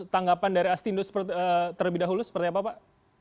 tanggapan dari astinus terlebih dahulu seperti apa pak